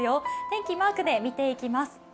天気、マークで見ていきます。